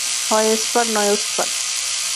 হয় এসপার নয় ওসপার।